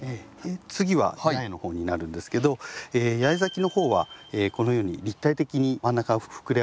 次は八重の方になるんですけど八重咲きの方はこのように立体的に真ん中が膨れ上がってるので。